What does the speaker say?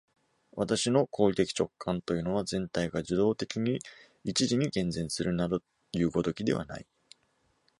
私の行為的直観というのは、全体が受働的に一時に現前するなどいう如きことではない。